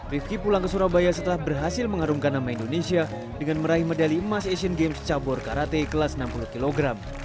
rifki pulang ke surabaya setelah berhasil mengharumkan nama indonesia dengan meraih medali emas asian games cabur karate kelas enam puluh kg